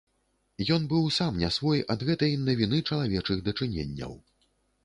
Ён быў сам не свой ад гэтай навіны чалавечых дачыненняў.